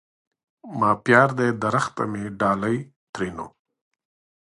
ما پيار دي درخته مي ډالی؛ ترينو